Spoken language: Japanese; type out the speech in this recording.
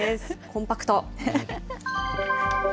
コンパクト。